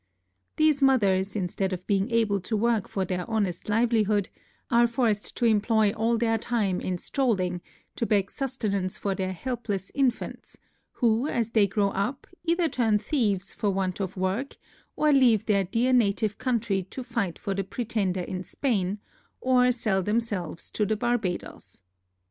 These mothers, instead of being able to work for their honest livelihood, are forced to employ all their time in stroling to beg sustenance for their helpless infants who, as they grow up, either turn thieves for want of work, or leave their dear native country, to fight for the Pretender in Spain, or sell themselves to the Barbadoes.